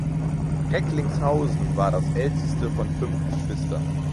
Recklinghausen war das älteste von fünf Geschwistern.